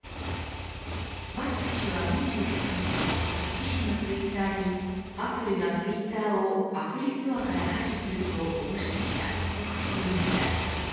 マスク氏は２８日自身のツイッターにアップルがツイッターをアプリストアから排除するとおどしてきたと書き込みました。